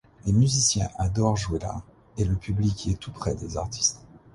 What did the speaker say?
Les musiciens adorent jouer là, et le public y est tout près des artistes.